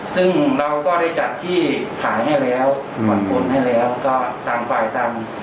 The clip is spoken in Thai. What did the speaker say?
ซึ่งเราก็ได้จัดที่ขายให้แล้วผ่อนปลนให้แล้วก็ต่างฝ่ายต่าง